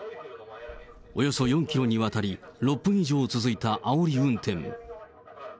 およそ４キロにわたり、６分以上続いたあおり運転。